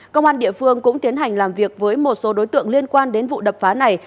công an địa phương cũng tiến hành làm việc với một số đối tượng liên quan đến vụ đập phá này